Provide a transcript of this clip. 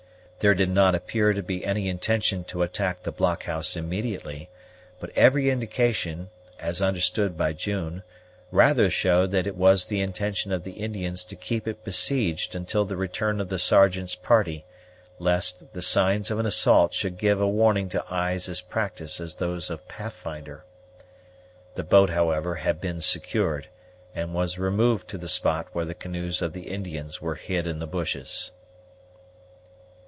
There did not appear to be any intention to attack the blockhouse immediately; but every indication, as understood by June, rather showed that it was the intention of the Indians to keep it besieged until the return of the Sergeant's party, lest, the signs of an assault should give a warning to eyes as practised as those of Pathfinder. The boat, however, had been secured, and was removed to the spot where the canoes of the Indians were hid in the bushes.